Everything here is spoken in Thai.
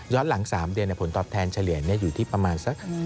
หลัง๓เดือนผลตอบแทนเฉลี่ยอยู่ที่ประมาณสัก